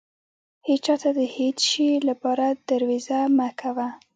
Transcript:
هيچا ته د هيڅ شې لپاره درويزه مه کوه.